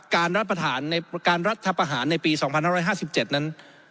การรัฐประหารในปี๒๕๕๗นั้น